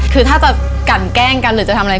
คือถ้าจะกันแกล้งกันหรือจะทำอะไร